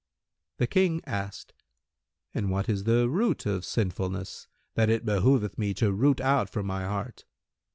The King asked, "And what is the root of sinfulness that it behoveth me to root out from my heart?"